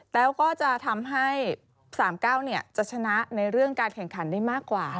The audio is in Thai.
แล้วก็จะทำให้๓๙จะชนะในเรื่องการแข่งขันได้มากกว่า